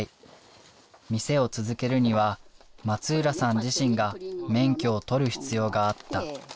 店を続けるには松浦さん自身が免許を取る必要があった。